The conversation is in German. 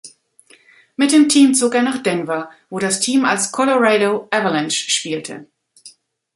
Mit dem Team zog er nach Denver, wo das Team als Colorado Avalanche spielte.